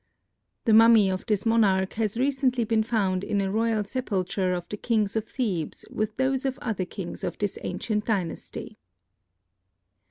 The mummy of this monarch has recently been found in a royal sepulcher of the kings of Thebes with those of other kings of this ancient dynasty.